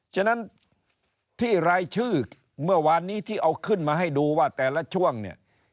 ฉะนั้นที่รายชื่อเมื่อวานนี้ที่เอาขึ้นมาให้ดูว่าแต่ละช่วงเนี่ย